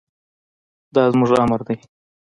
دا زموږ امر دی.